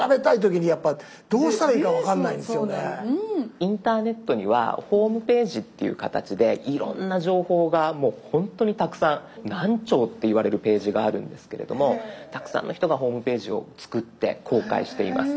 インターネットにはホームページっていう形でいろんな情報がもうほんとにたくさん何兆っていわれるページがあるんですけれどもたくさんの人がホームページを作って公開しています。